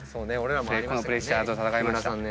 プレッシャーと戦いました。